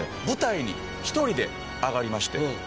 舞台に１人で上がりまして。